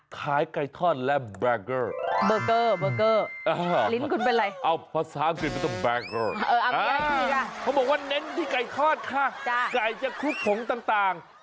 ไก่จะคลุกผงต่าง